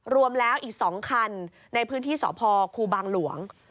รวมแล้วอีก๒คันในพื้นที่สพครูบางหลวง